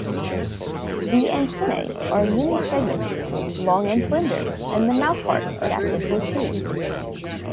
The antennae are many-segmented, long and slender, and the mouthparts are adapted for chewing.